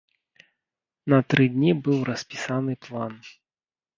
На тры дні быў распісаны план.